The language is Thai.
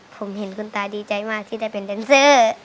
ผมเห็นคุณตาดีใจมากที่ได้เป็นแดนเซอร์